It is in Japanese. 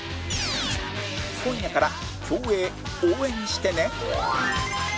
今夜から競泳応援してね